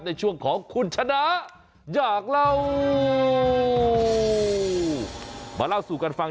ในช่วงของมาเล่าสู่การฟัง